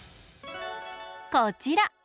こちら。